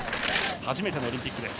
初めてのオリンピック。